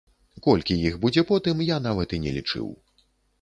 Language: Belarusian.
Колькі іх будзе потым, я нават і не лічыў.